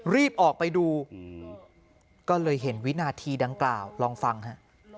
รีบออกไปดูก็เลยเห็นวินาทีดังกล่าวลองฟังฮะ